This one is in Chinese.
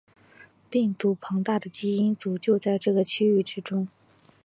病毒庞大的基因组就在这个区域之中。